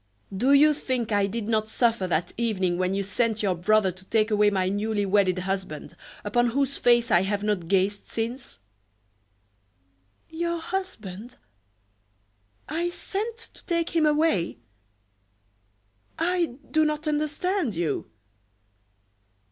Do you think I did not suffer that evening when you sent your brother to take away my newly wedded husband, upon whose face I have not gazed since?" "Your husband! I sent to take him away! I do not understand you."